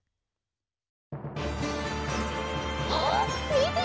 あっみて！